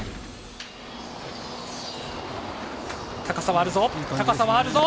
高さはあるぞ。